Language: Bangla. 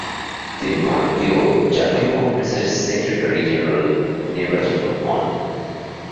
তিনি ভারতীয় জাতীয় কংগ্রেসের সেক্রেটারি জেনারেল নির্বাচিত হন।